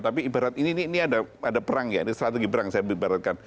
tapi ibarat ini ada perang ya ini strategi perang saya ibaratkan